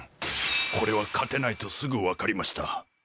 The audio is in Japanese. これは勝てないとすぐ分かりました。